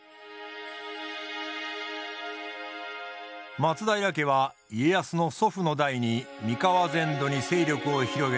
松平家は家康の祖父の代に三河全土に勢力を広げた国衆。